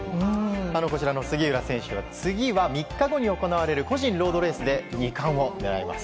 杉浦選手は次は３日後に行われる個人ロードレースで２冠を狙います。